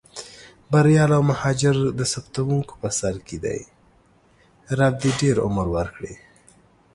بریال او مهاجر د ثبتوونکو په سر کې دي، رب دې ډېر عمر ورکړي.